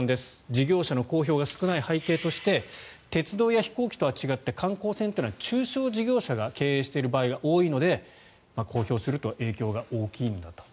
事業者の公表が少ない背景として鉄道や飛行機と違って観光船というのは中小事業者が経営している場合が多いので公表すると影響が大きいんだと。